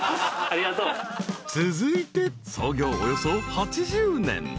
［続いて創業およそ８０年］